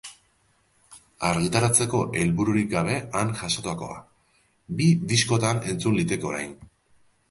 Argitaratzeko helbururik gabe han jasotakoa, bi diskotan entzun liteke orain.